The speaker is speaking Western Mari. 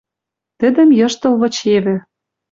Тӹдӹм йыштыл вычевӹ.